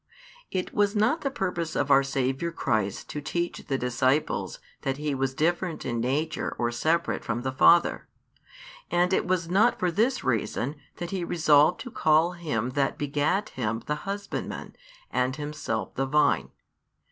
It was not the purpose of our Saviour Christ to teach the disciples that He was different in nature or separate from the Father; and it was not for this reason that He resolved to call Him That begat Him the Husbandman and Himself the Vine.